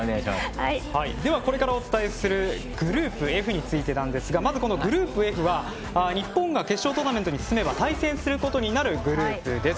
これからお伝えするグループＦについてなんですが日本が決勝トーナメントに進めば対戦することになるグループです。